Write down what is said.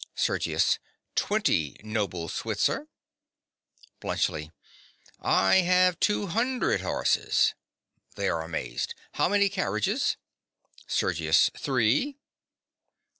SERGIUS. Twenty, noble Switzer! BLUNTSCHLI. I have two hundred horses. (They are amazed.) How many carriages? SERGIUS. Three.